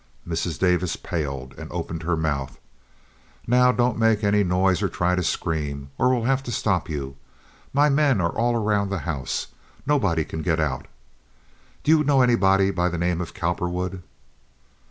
Mrs. Davis paled and opened her mouth. "Now don't make any noise or try to scream, or we'll have to stop you. My men are all around the house. Nobody can get out. Do you know anybody by the name of Cowperwood?"